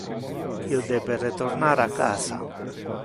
Io debe retornar a casa.